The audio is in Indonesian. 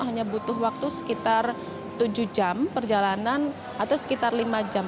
hanya butuh waktu sekitar tujuh jam perjalanan atau sekitar lima jam